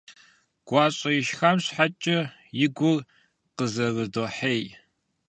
ГуащӀэ ишхам щхьэкӀэ и гур къызэрыдохьей.